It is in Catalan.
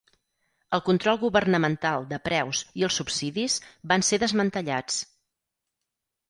El control governamental de preus i els subsidis van ser desmantellats.